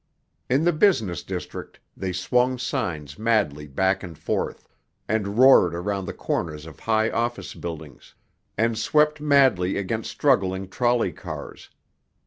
In the business district they swung signs madly back and forth, and roared around the corners of high office buildings, and swept madly against struggling trolley cars.